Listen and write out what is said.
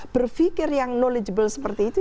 berfikir yang knowledgeable seperti itu